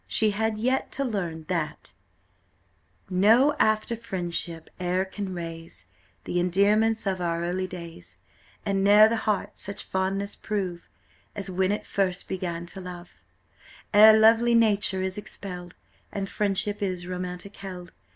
She had yet to learn that "No after friendship e'er can raze Th' endearments of our early days, And ne'er the heart such fondness prove, As when it first began to love; Ere lovely nature is expelled, And friendship is romantic held.